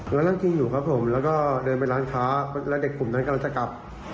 แล้วนั่งกินอยู่ครับผมแล้วก็เดินไปร้านค้าแล้วเด็กกลุ่มนั้นกำลังจะกลับ